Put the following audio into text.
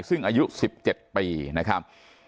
ซึ่งอายุ๑๗ปีนะครับ